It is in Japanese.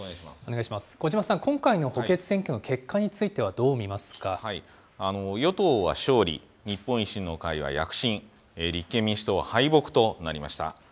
小嶋さん、今回の補欠選挙の与党は勝利、日本維新の会は躍進、立憲民主党は敗北となりました。